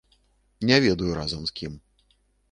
Не ведаю, разам з кім.